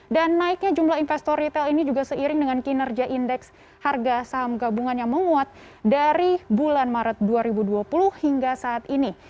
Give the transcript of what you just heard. dan naiknya jumlah investor retail ini juga seiring dengan kinerja indeks harga saham gabungan yang menguat dari bulan maret dua ribu dua puluh hingga saat ini